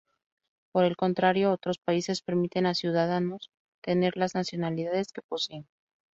Por el contrario, otros países permiten a sus ciudadanos tener las nacionalidades que posean.